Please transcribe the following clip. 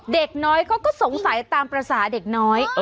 เด็กน้อยเขาก็สงสัยตามภาษาเด็กน้อย